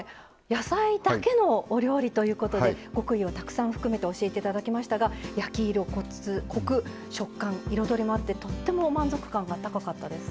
野菜だけのお料理ということで極意をたくさん含めて教えて頂きましたが焼き色コク食感彩りもあってとっても満足感が高かったです。